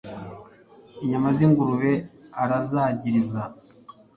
Inyama zingurube arazagiriza